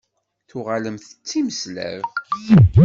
Tuɣalemt d timeslab?